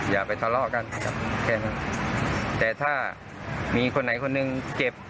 อย่าไปทะเลาะกันแค่นั้นแต่ถ้ามีคนไหนคนหนึ่งเจ็บ